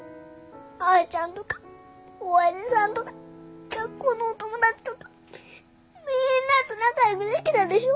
彩ちゃんとか親父さんとか学校のお友達とかみんなと仲良くできたでしょ？